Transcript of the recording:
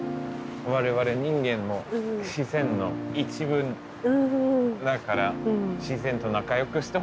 我々人間も自然の一部だから自然と仲よくした方がいいですね。